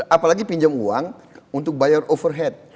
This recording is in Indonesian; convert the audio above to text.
apalagi pinjam uang untuk bayar overhead